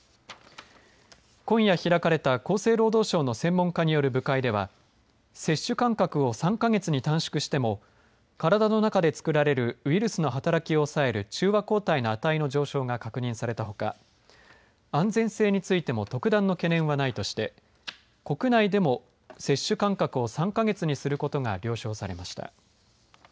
今夜、開かれた厚生労働省の専門家による部会では接種間隔を３か月に短縮しても体の中で作られるウイルスの働きを抑える中和抗体の値の上昇が確認されたほか安全性についても特段の懸念はないとして国内でも接種間隔を３か月にすることが了承されました。